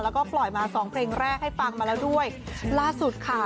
แล้วก็ปล่อยมาสองเพลงแรกให้ฟังมาแล้วด้วยล่าสุดค่ะ